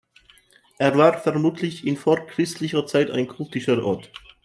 Er war vermutlich in vorchristlicher Zeit ein kultischer Ort.